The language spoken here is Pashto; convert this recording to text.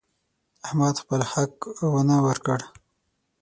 احمد خپل حق هم ونه ورکړ.